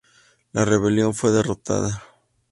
La rebelión fue derrotada.